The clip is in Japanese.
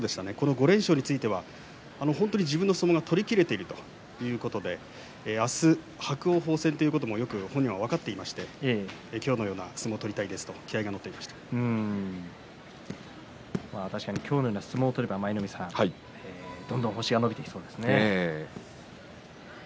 ５連勝については自分の相撲が取りきれているということで明日、伯桜鵬ということも分かっていて今日のような相撲を取りたい今日のような相撲を取れば舞の海さん、どんどん星が伸びていきそうですね。